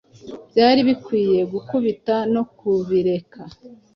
Byari bikwiye gukubita no kubireka